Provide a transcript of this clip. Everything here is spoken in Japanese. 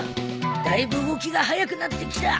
だいぶ動きが速くなってきた。